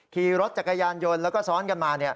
ขี่รถจักรยานยนต์แล้วก็ซ้อนกันมา